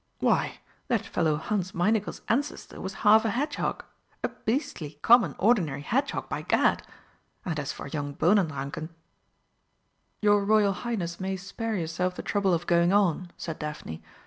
Why, that fellow Hansmeinigel's ancestor was half a hedgehog a beastly common ordinary hedgehog, by Gad! and as for young Bohnenranken " "Your Royal Highness may spare yourself the trouble of going on," said Daphne.